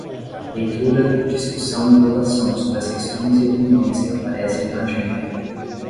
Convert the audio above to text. Leitura, discussão e votação sobre as questões e opiniões que aparecem na agenda.